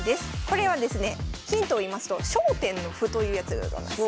これはですねヒントをいいますと焦点の歩というやつでございます。